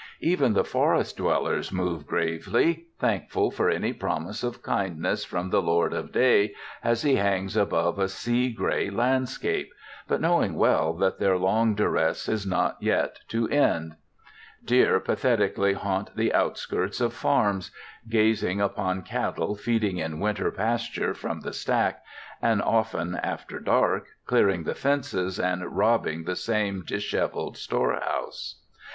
Even the forest dwellers move gravely, thankful for any promise of kindness from the lord of day as he hangs above a sea gray landscape, but knowing well that their long duress is not yet to end. Deer pathetically haunt the outskirts of farms, gazing upon cattle feeding in winter pasture from the stack, and often, after dark, clearing the fences and robbing the same disheveled storehouse.